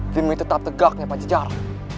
demi tetap tegaknya pajacaran